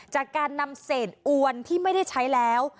จากการนำเศษอวนที่ไม่ได้ใช้แล้ว